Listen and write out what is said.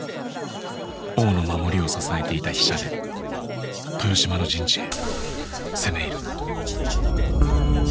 王の守りを支えていた飛車で豊島の陣地へ攻め入る。